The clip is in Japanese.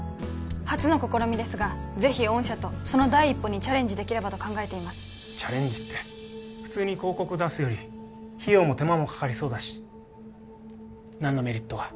初の試みですがぜひ御社とその第一歩にチャレンジできればと考えていますチャレンジって普通に広告出すより費用も手間もかかりそうだし何のメリットが？